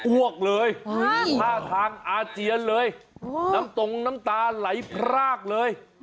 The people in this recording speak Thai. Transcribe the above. วกเลยท่าทางอาเจียนเลยน้ำตรงน้ำตาไหลพรากเลย